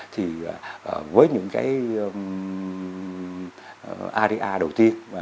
thì với những cái area đầu tiên